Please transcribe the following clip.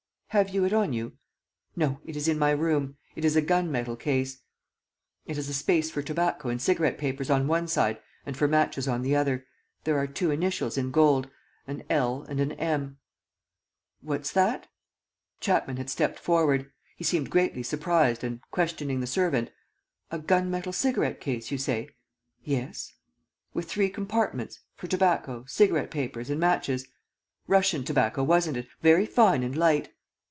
"Have you it on you?" "No, it is in my room. It is a gun metal case. It has a space for tobacco and cigarette papers on one side and for matches on the other. There are two initials in gold: an L and an M. ..." "What's that?" Chapman had stepped forward. He seemed greatly surprised and, questioning the servant: "A gun metal cigarette case, you say?" "Yes." "With three compartments for tobacco, cigarette papers, and matches. ... Russian tobacco, wasn't it, very fine and light?"